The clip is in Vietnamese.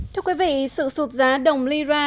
thưa quý vị sự sụt giá đồng lyra